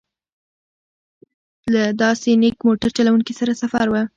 له داسې نېک موټر چلوونکي سره سفر و.